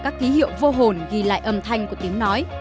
các ký hiệu vô hồn ghi lại âm thanh của tiếng nói